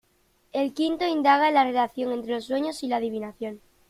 El quinto indaga en la relación entre los sueños y la adivinación.